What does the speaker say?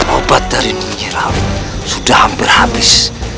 obat dari nyi nawa sudah hampir habis